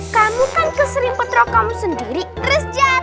kamu kan kesering petro kamu sendiri